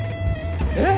えっ！